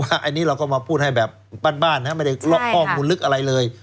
เพราะว่าอันนี้เราก็มาพูดให้แบบปั้นบ้านนะครับไม่ได้ลอกข้อมูลลึกอะไรเลย